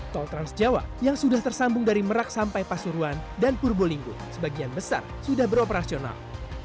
tol transjawa yang sudah tersambung dari merak sampai pasuruan dan purbolinggo sebagian besar sudah beroperasional